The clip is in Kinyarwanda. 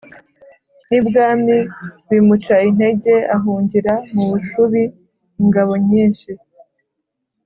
n ibwami bimuca intege ahungira mu Bushubi Ingabo nyinshi